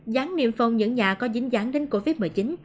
gián niềm phong những nhà có dính dán đến covid một mươi chín